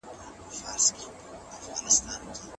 څومره مرکزونه په افغانستان کې فعال دي؟